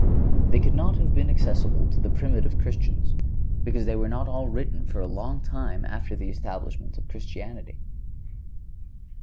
They could not have been accessible to the primitive Christians, because they were not all written for a long time after the establishment of Christianity.